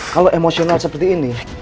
kalau emosional seperti ini